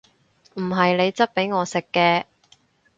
唔係你質俾我食嘅！